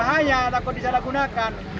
bahaya takut bisa digunakan